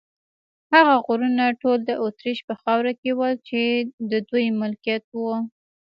هغه غرونه ټول د اتریش په خاوره کې ول، چې د دوی ملکیت و.